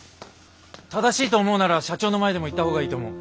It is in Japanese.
正しいと思うなら社長の前でも言った方がいいと思う。